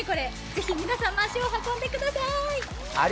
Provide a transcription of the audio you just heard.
ぜひ皆さんも足を運んでください。